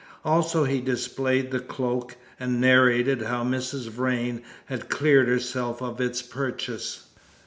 Also he displayed the cloak, and narrated how Mrs. Vrain had cleared herself of its purchase.